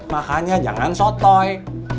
makanya jangan sotoy